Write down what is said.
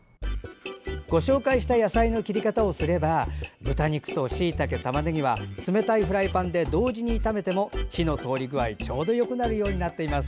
ご紹介した野菜の切り方をすれば豚肉としいたけ、たまねぎは冷たいフライパンで同時に炒めても火の通り具合がちょうどよくなるようになっています。